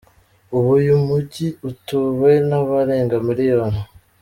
Ubu uyu mujyi utuwe n’abarenga miliyoni.